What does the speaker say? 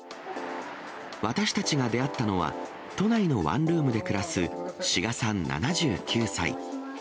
私たちが出会ったのは、都内のワンルームで暮らす志賀さん７９歳。